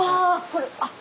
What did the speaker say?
これあっ。